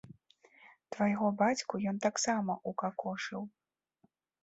Твайго бацьку ён таксама ўкакошыў.